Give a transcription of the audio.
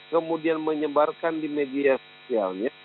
kemudian menyebarkan di media sosialnya